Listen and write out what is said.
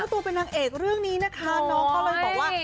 ตัวเป็นนางเอกเรื่องนี้นะคะน้องก็เลยบอกว่า